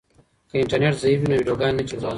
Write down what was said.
که انټرنیټ ضعیف وي نو ویډیوګانې نه چلیږي.